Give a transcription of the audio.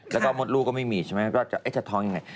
แล้วก็มดลูกก็ไม่มีใช่ไหมก็จะท้องยังไง